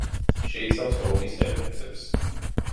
შეიცავს როკის ელემენტებს.